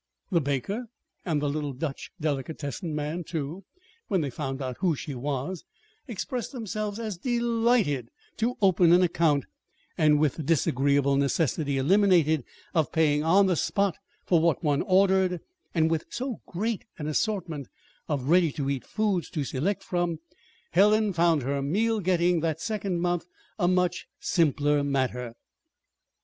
The baker and the little Dutch delicatessen man, too (when they found out who she was), expressed themselves as delighted to open an account; and with the disagreeable necessity eliminated of paying on the spot for what one ordered, and with so great an assortment of ready to eat foods to select from, Helen found her meal getting that second month a much simpler matter.